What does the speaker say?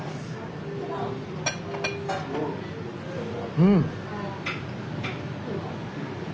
うん。